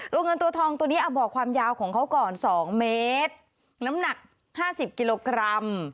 เงินตัวทองตัวนี้บอกความยาวของเขาก่อน๒เมตรน้ำหนัก๕๐กิโลกรัม